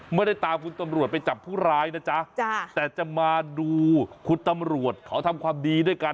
ไม่ได้ตามคุณตำรวจไปจับผู้ร้ายนะจ๊ะแต่จะมาดูคุณตำรวจเขาทำความดีด้วยกัน